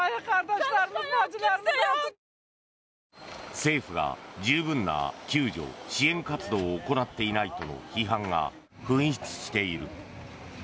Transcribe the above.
政府が十分な救助・支援活動を行っていないなどの不満が噴出している。